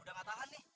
udah gak tahan nih